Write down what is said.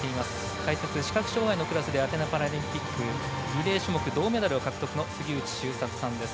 解説、視覚障がいのクラスでアテネパラリンピックリレー種目、銅メダル獲得の杉内周作さんです。